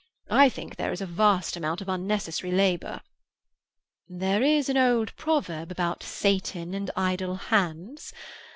I think there is a vast amount of unnecessary labour." "There is an old proverb about Satan and idle hands.